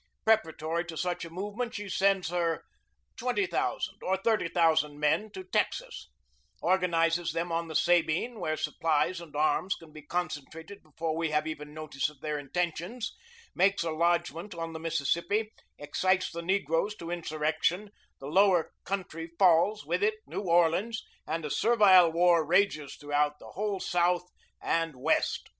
Preparatory to such a movement she sends her 20,000 or 30,000 men to Texas; organizes them on the Sabine, where supplies and arms can be concentrated before we have even notice of her intentions; makes a lodgment on the Mississippi; excites the negroes to insurrection; the lower country falls, with it New Orleans; and a servile war rages through the whole South and West."